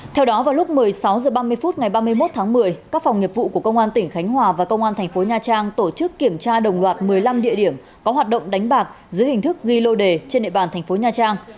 theo đó vào lúc một mươi sáu h ba mươi phút ngày ba mươi một tháng một mươi các phòng nghiệp vụ của công an tỉnh khánh hòa và công an thành phố nha trang tổ chức kiểm tra đồng loạt một mươi năm địa điểm có hoạt động đánh bạc dưới hình thức ghi lô đề trên địa bàn thành phố nha trang